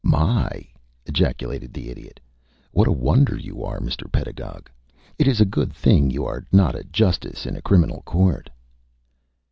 "My!" ejaculated the Idiot. "What a wonder you are, Mr. Pedagog! It is a good thing you are not a justice in a criminal court."